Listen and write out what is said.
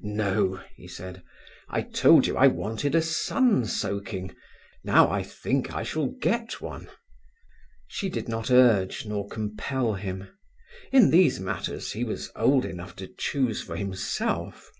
"No," he said. "I told you I wanted a sun soaking; now I think I shall get one." She did not urge or compel him. In these matters he was old enough to choose for himself.